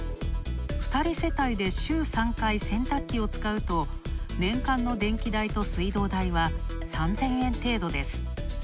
２人世帯で週３回、洗濯機を使うと、年間の電気代と水道代は３０００円程度です。